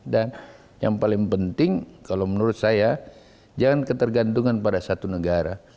dan yang paling penting kalau menurut saya jangan ketergantungan pada satu negara